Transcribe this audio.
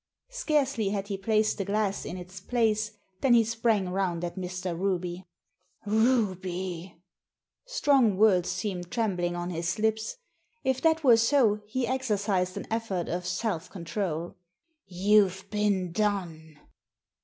Scarcely had he placed the glass in its place than he sprang round at Mr. Ruby. Ruby !" Strong words seemed trembling on his lips. If that were so, he exercised an effort of self control. " You've been done